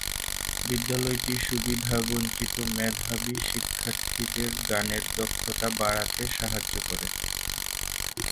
বিদ্যালয়টি সুবিধাবঞ্চিত মেধাবী শিক্ষার্থীদের গানের দক্ষতা বাড়াতে সাহায্য করে।